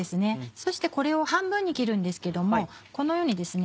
そしてこれを半分に切るんですけどもこのようにですね。